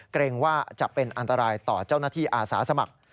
เกรงว่าจะเป็นอันตรายต่อเจ้าหน้าที่อาสาสมัคร